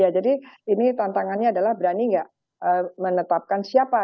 ini tantangannya adalah berani nggak menetapkan siapa